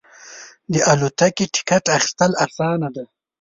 د الوتکې ټکټ اخیستل اسانه دی.